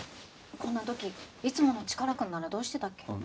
こんな時いつものチカラくんならどうしてたっけ？